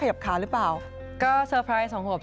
ขาหรือเปล่าก็เซอร์ไพรส์สองขวบ